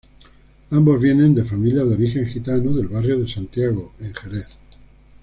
Ambos vienen de familias de origen gitano del barrio de Santiago en Jerez.